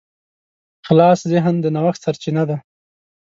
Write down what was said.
خلاص ذهن د نوښت سرچینه ده.